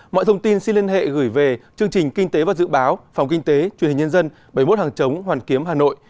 mọi thông tin xin liên hệ gửi về chương trình kinh tế và dự báo phòng kinh tế truyền hình nhân dân bảy mươi một hàng chống hoàn kiếm hà nội